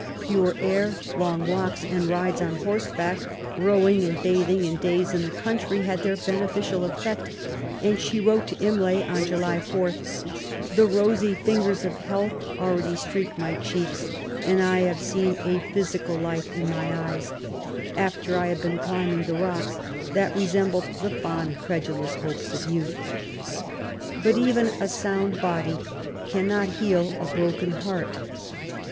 Pure air, long walks, and rides on horseback, rowing and bathing, ^nd days in the country had their beneficial eflfect, and she wrote to Imlay on July 4th, '^ The rosy fingers of health already streak my cheeks ; and I have seen a phy sical life in my eyes, after I have been climbing the rocks, that resembled the fond, credulous hopes of youth.*' But even a sound body cannot heal a broken heart.